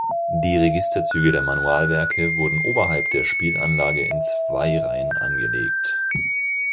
Die Registerzüge der Manualwerke wurden oberhalb der Spielanlage in zwei Reihen angelegt.